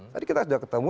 tadi kita sudah ketemu